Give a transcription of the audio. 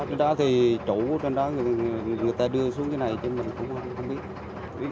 cái đó thì chủ trên đó người ta đưa xuống cái này chứ mình cũng không biết